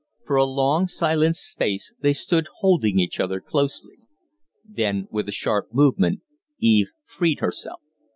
For a long, silent space they stood holding each other closely. Then, with a sharp movement, Eve freed Herself.